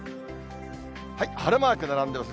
晴れマーク並んでます。